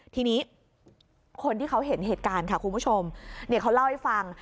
ทีนี้คนที่เขาเห็นเหตุการณ์ค่ะคุณผู้ชมเนี่ยเขาเล่าให้ฟัง